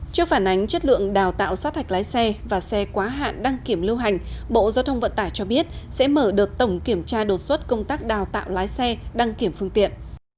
trước phản ánh chất lượng đào tạo sát hạch lái xe và xe quá hạn đăng kiểm lưu hành bộ giao thông vận tải cho biết sẽ mở đợt tổng kiểm tra đột xuất công tác đào tạo lái xe đăng kiểm phương tiện